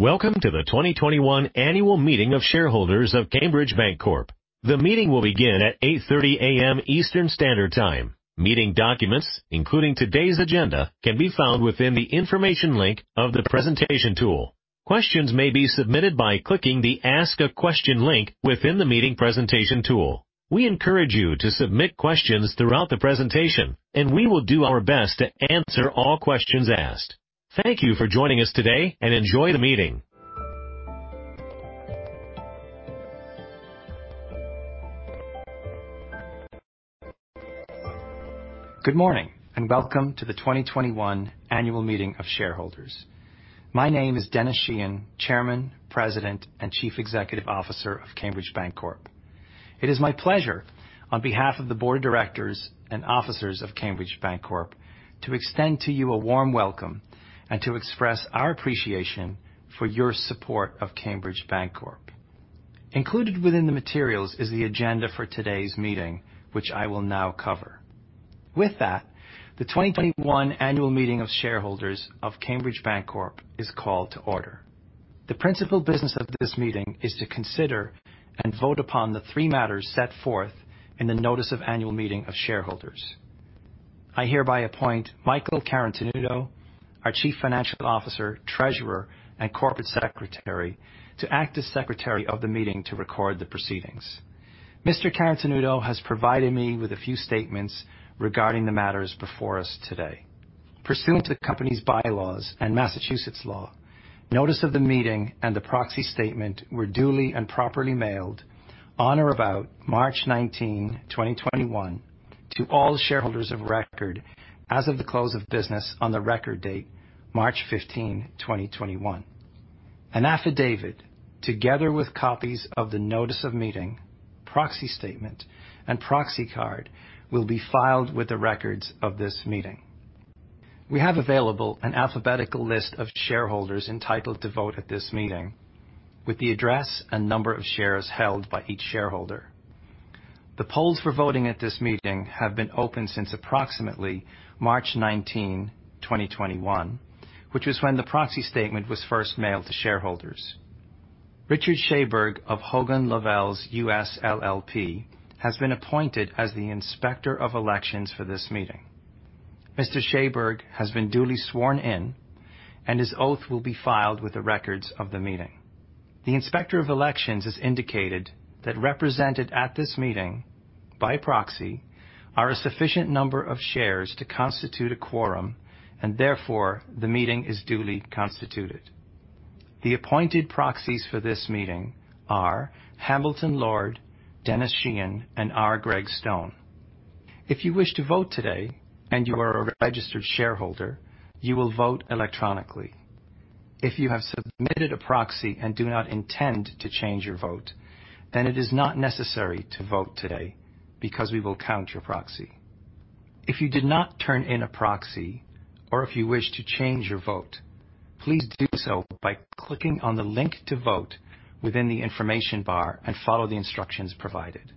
Welcome to the 2021 annual meeting of shareholders of Cambridge Bancorp. The meeting will begin at 8:30 A.M. Eastern Standard Time. Meeting documents, including today's agenda, can be found within the information link of the presentation tool. Questions may be submitted by clicking the Ask a Question link within the meeting presentation tool. We encourage you to submit questions throughout the presentation, and we will do our best to answer all questions asked. Thank you for joining us today, and enjoy the meeting. Good morning, and welcome to the 2021 annual meeting of shareholders. My name is Denis Sheahan, Chairman, President, and Chief Executive Officer of Cambridge Bancorp. It is my pleasure, on behalf of the Board of Directors and officers of Cambridge Bancorp, to extend to you a warm welcome and to express our appreciation for your support of Cambridge Bancorp. Included within the materials is the agenda for today's meeting, which I will now cover. With that, the 2021 annual meeting of shareholders of Cambridge Bancorp is called to order. The principal business of this meeting is to consider and vote upon the three matters set forth in the notice of annual meeting of shareholders. I hereby appoint Michael Carotenuto, our Chief Financial Officer, Treasurer, and Corporate Secretary, to act as Secretary of the meeting to record the proceedings. Mr. Carotenuto has provided me with a few statements regarding the matters before us today. Pursuant to the company's bylaws and Massachusetts law, notice of the meeting and the proxy statement were duly and properly mailed on or about March 19, 2021, to all shareholders of record as of the close of business on the record date March 15, 2021. An affidavit, together with copies of the notice of meeting, proxy statement, and proxy card, will be filed with the records of this meeting. We have available an alphabetical list of shareholders entitled to vote at this meeting with the address and number of shares held by each shareholder. The polls for voting at this meeting have been open since approximately March 19, 2021, which is when the proxy statement was first mailed to shareholders. Richard Schaberg of Hogan Lovells US LLP has been appointed as the Inspector of Elections for this meeting. Mr. Schaberg has been duly sworn in, and his oath will be filed with the records of the meeting. The Inspector of Elections has indicated that represented at this meeting by proxy are a sufficient number of shares to constitute a quorum, and therefore, the meeting is duly constituted. The appointed proxies for this meeting are Hambleton Lord, Denis Sheahan, and R. Gregg Stone. If you wish to vote today and you are a registered shareholder, you will vote electronically. If you have submitted a proxy and do not intend to change your vote, it is not necessary to vote today because we will count your proxy. If you did not turn in a proxy or if you wish to change your vote, please do so by clicking on the link to vote within the information bar and follow the instructions provided.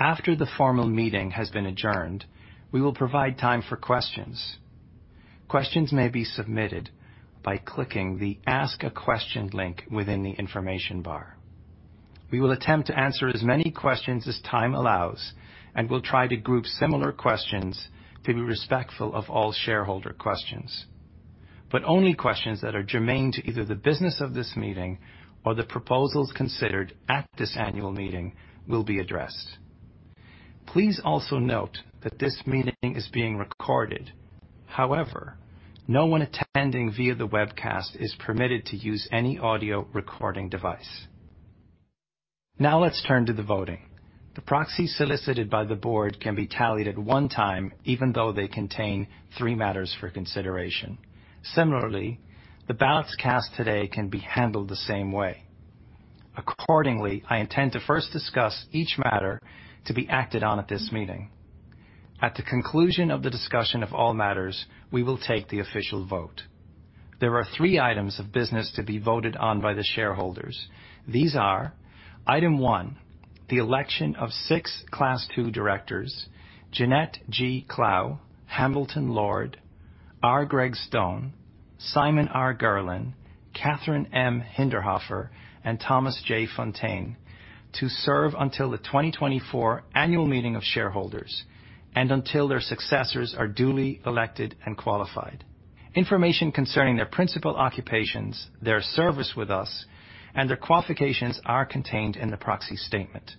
After the formal meeting has been adjourned, we will provide time for questions. Questions may be submitted by clicking the Ask a Question link within the information bar. We will attempt to answer as many questions as time allows and will try to group similar questions to be respectful of all shareholder questions. Only questions that are germane to either the business of this meeting or the proposals considered at this annual meeting will be addressed. Please also note that this meeting is being recorded. However, no one attending via the webcast is permitted to use any audio recording device. Now let's turn to the voting. The proxy solicited by the Board can be tallied at one time, even though they contain three matters for consideration. Similarly, the ballots cast today can be handled the same way. Accordingly, I intend to first discuss each matter to be acted on at this meeting. At the conclusion of the discussion of all matters, we will take the official vote. There are three items of business to be voted on by the shareholders. These are item one, the election of six Class II Directors, Jeanette G. Clough, Hambleton Lord, R. Gregg Stone, Simon R. Gerlin, Kathryn M. Hinderhofer, and Thomas J. Fontaine, to serve until the 2024 annual meeting of shareholders and until their successors are duly elected and qualified. Information concerning their principal occupations, their service with us, and their qualifications are contained in the proxy statement.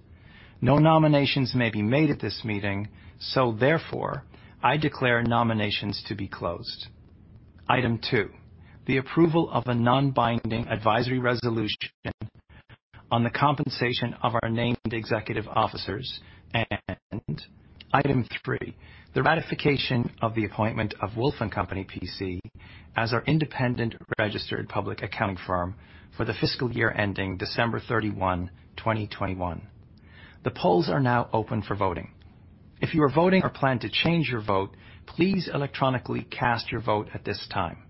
No nominations may be made at this meeting so therefore, I declare nominations to be closed. Item two, the approval of a non-binding advisory resolution on the compensation of our named executive officers. Item three, the ratification of the appointment of Wolf & Company, P.C. as our independent registered public accounting firm for the fiscal year ending December 31, 2021. The polls are now open for voting. If you are voting or plan to change your vote, please electronically cast your vote at this time.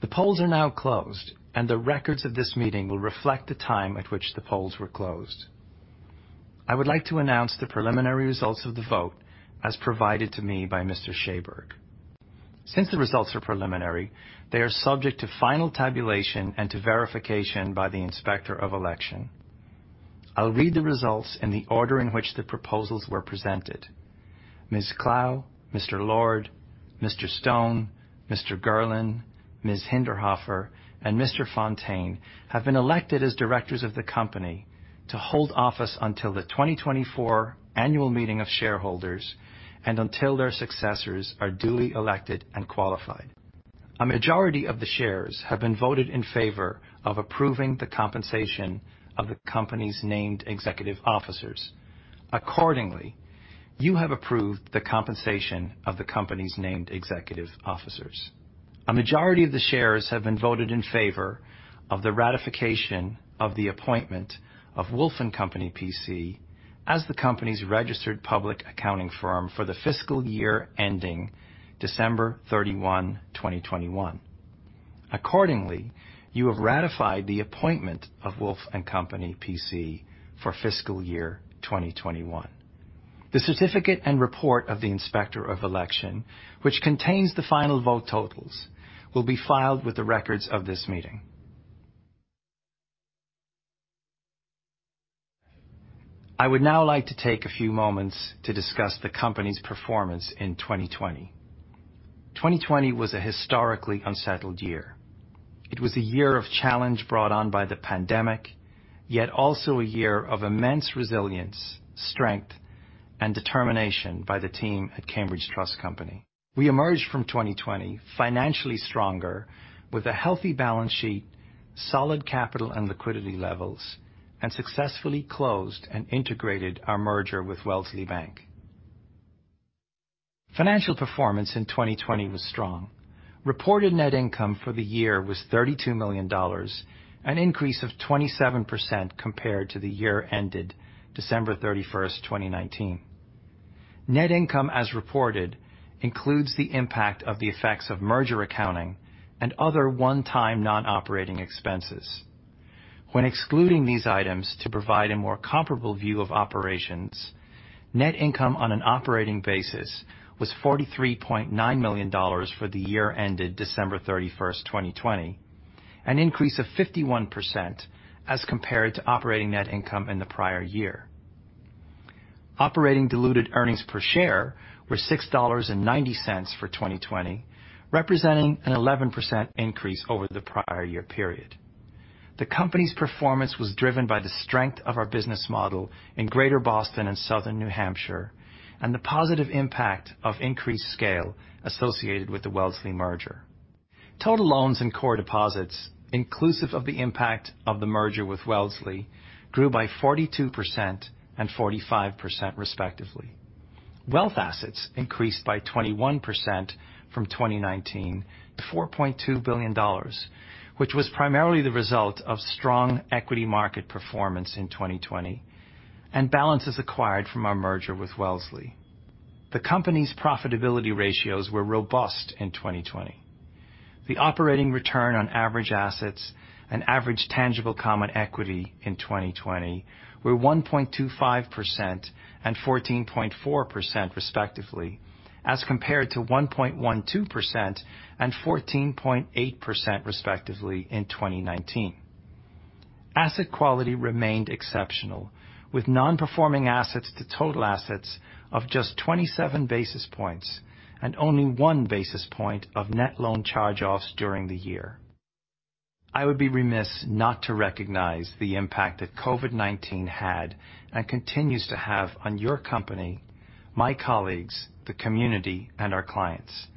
The polls are now closed, and the records of this meeting will reflect the time at which the polls were closed. I would like to announce the preliminary results of the vote as provided to me by Mr. Schaberg. Since the results are preliminary, they are subject to final tabulation and to verification by the Inspector of Election. I'll read the results in the order in which the proposals were presented. Ms. Clough, Mr. Lord, Mr. Stone, Mr. Gerlin, Ms. Hinderhofer, and Mr. Fontaine have been elected as Directors of the company to hold office until the 2024 annual meeting of shareholders and until their successors are duly elected and qualified. A majority of the shares have been voted in favor of approving the compensation of the company's named executive officers. Accordingly, you have approved the compensation of the company's named executive officers. A majority of the shares have been voted in favor of the ratification of the appointment of Wolf & Company, P.C. as the company's registered public accounting firm for the fiscal year ending December 31, 2021. Accordingly, you have ratified the appointment of Wolf & Company, P.C. for fiscal year 2021. The certificate and report of the Inspector of Election, which contains the final vote totals, will be filed with the records of this meeting. I would now like to take a few moments to discuss the company's performance in 2020. 2020 was a historically unsettled year. It was a year of challenge brought on by the pandemic, yet also a year of immense resilience, strength, and determination by the team at Cambridge Trust Company. We emerged from 2020 financially stronger with a healthy balance sheet, solid capital and liquidity levels, and successfully closed and integrated our merger with Wellesley Bank. Financial performance in 2020 was strong. Reported net income for the year was $32 million, an increase of 27% compared to the year ended December 31, 2019. Net income, as reported, includes the impact of the effects of merger accounting and other one-time non-operating expenses. When excluding these items to provide a more comparable view of operations, net income on an operating basis was $43.9 million for the year ended December 31, 2020, an increase of 51% as compared to operating net income in the prior year. Operating diluted earnings per share were $6.90 for 2020, representing an 11% increase over the prior year period. The company's performance was driven by the strength of our business model in Greater Boston and Southern New Hampshire and the positive impact of increased scale associated with the Wellesley merger. Total loans and core deposits, inclusive of the impact of the merger with Wellesley, grew by 42% and 45%, respectively. wealth assets increased by 21% from 2019 to $4.2 billion, which was primarily the result of strong equity market performance in 2020 and balances acquired from our merger with Wellesley. The company's profitability ratios were robust in 2020. The operating return on average assets and average tangible common equity in 2020 were 1.25% and 14.4%, respectively, as compared to 1.12% and 14.8%, respectively, in 2019. Asset quality remained exceptional, with non-performing assets to total assets of just 27 basis points and only one basis point of net loan charge-offs during the year. I would be remiss not to recognize the impact that COVID-19 had and continues to have on your company, my colleagues, the community, and our clients.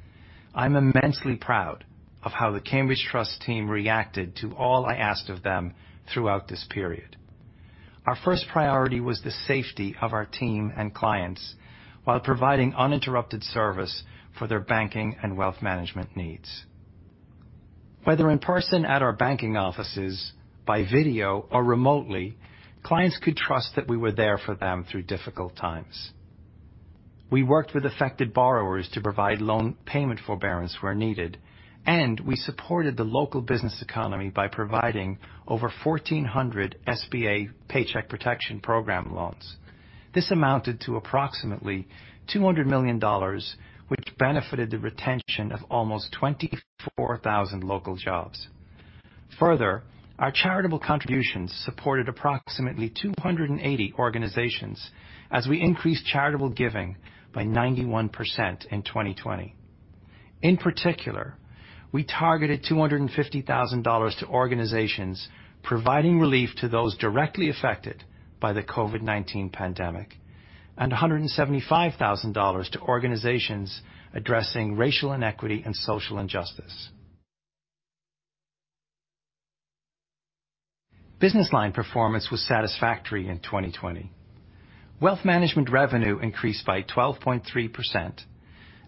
I'm immensely proud of how the Cambridge Trust team reacted to all I asked of them throughout this period. Our first priority was the safety of our team and clients while providing uninterrupted service for their banking and wealth management needs. Whether in person at our banking offices, by video, or remotely, clients could trust that we were there for them through difficult times. We worked with affected borrowers to provide loan payment forbearance where needed, and we supported the local business economy by providing over 1,400 SBA Paycheck Protection Program loans. This amounted to approximately $200 million, which benefited the retention of almost 24,000 local jobs. Further, our charitable contributions supported approximately 280 organizations as we increased charitable giving by 91% in 2020. In particular, we targeted $250,000 to organizations providing relief to those directly affected by the COVID-19 pandemic and $175,000 to organizations addressing racial inequity and social injustice. Business line performance was satisfactory in 2020. Wealth management revenue increased by 12.3%,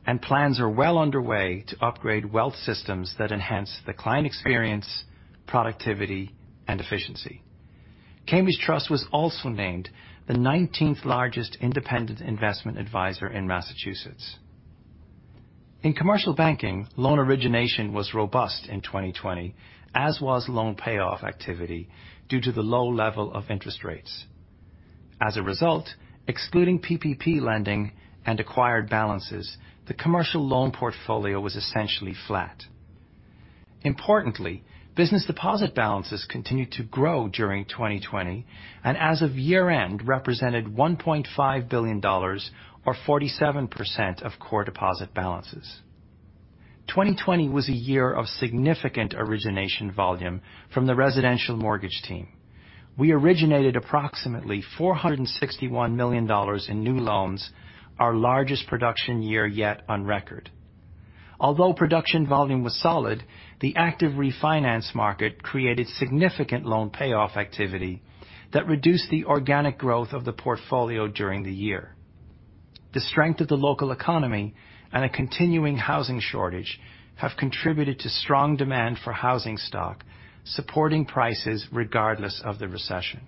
and plans are well underway to upgrade wealth systems that enhance the client experience, productivity, and efficiency. Cambridge Trust was also named the 19th largest independent investment advisor in Massachusetts. In commercial banking, loan origination was robust in 2020, as was loan payoff activity due to the low level of interest rates. As a result, excluding PPP lending and acquired balances, the commercial loan portfolio was essentially flat. Importantly, business deposit balances continued to grow during 2020, and as of year-end, represented $1.5 billion, or 47% of core deposit balances. 2020 was a year of significant origination volume from the residential mortgage team. We originated approximately $461 million in new loans, our largest production year yet on record. Although production volume was solid, the active refinance market created significant loan payoff activity that reduced the organic growth of the portfolio during the year. The strength of the local economy and a continuing housing shortage have contributed to strong demand for housing stock, supporting prices regardless of the recession.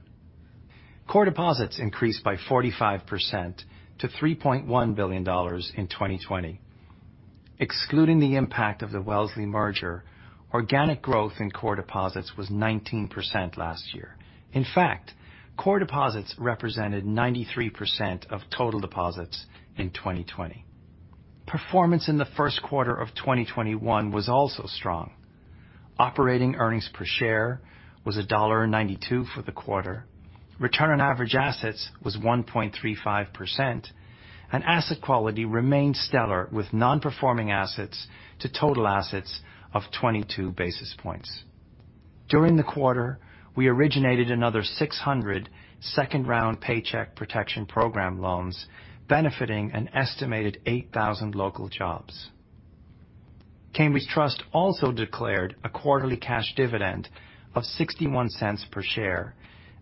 Core deposits increased by 45% to $3.1 billion in 2020. Excluding the impact of the Wellesley merger, organic growth in core deposits was 19% last year. In fact, core deposits represented 93% of total deposits in 2020. Performance in the first quarter of 2021 was also strong. operating earnings per share was $1.92 for the quarter. return on average assets was 1.35%, and asset quality remained stellar with non-performing assets to total assets of 22 basis points. During the quarter, we originated another 600 second-round Paycheck Protection Program loans, benefiting an estimated 8,000 local jobs. Cambridge Trust also declared a quarterly cash dividend of $0.61 per share,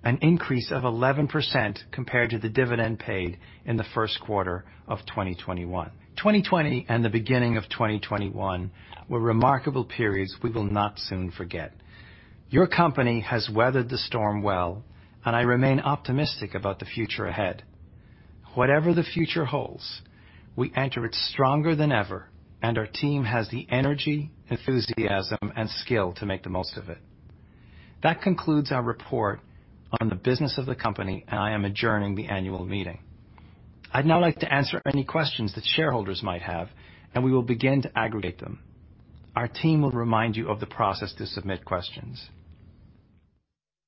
an increase of 11% compared to the dividend paid in the first quarter of 2021. 2020 and the beginning of 2021 were remarkable periods we will not soon forget. Your company has weathered the storm well, and I remain optimistic about the future ahead. Whatever the future holds, we enter it stronger than ever, and our team has the energy, enthusiasm, and skill to make the most of it. That concludes our report on the business of the company, and I am adjourning the annual meeting. I'd now like to answer any questions that shareholders might have, and we will begin to aggregate them. Our team will remind you of the process to submit questions.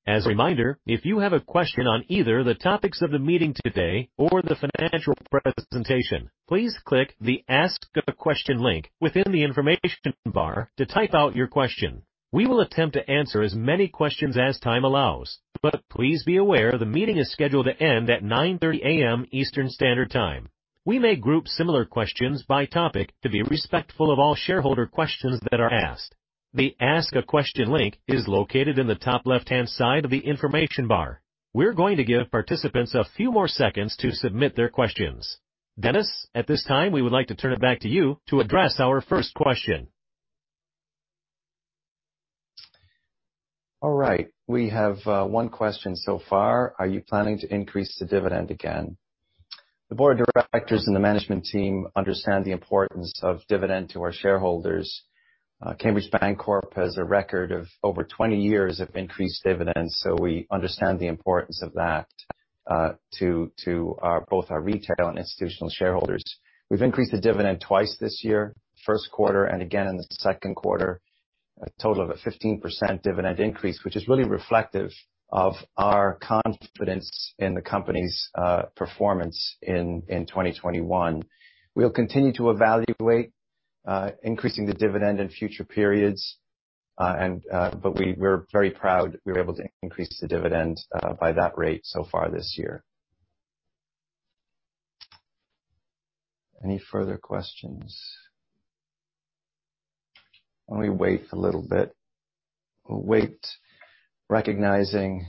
As a reminder, if you have a question on either the topics of the meeting today or the financial presentation, please click the Ask a Question link within the information bar to type out your question. We will attempt to answer as many questions as time allows, but please be aware the meeting is scheduled to end at 9:30 A.M. Eastern Standard Time. We may group similar questions by topic to be respectful of all shareholder questions that are asked. The Ask a Question link is located in the top left-hand side of the information bar. We're going to give participants a few more seconds to submit their questions. Denis, at this time, we would like to turn it back to you to address our first question. All right. We have one question so far. Are you planning to increase the dividend again? The Board of Directors and the management team understand the importance of dividend to our shareholders. Cambridge Bancorp has a record of over 20 years of increased dividends, so we understand the importance of that to both our retail and institutional shareholders. We've increased the dividend twice this year, first quarter and again in the second quarter, a total of a 15% dividend increase, which is really reflective of our confidence in the company's performance in 2021. We'll continue to evaluate increasing the dividend in future periods, but we're very proud that we were able to increase the dividends by that rate so far this year. Any further questions? Why don't we wait a little bit. We'll wait, recognizing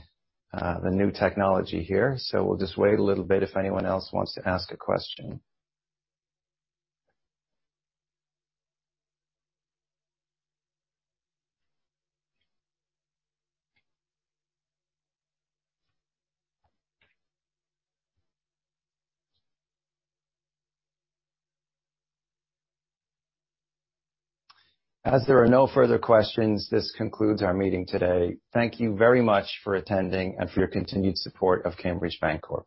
the new technology here, so we'll just wait a little bit if anyone else wants to ask a question. As there are no further questions, this concludes our meeting today. Thank you very much for attending and for your continued support of Cambridge Bancorp.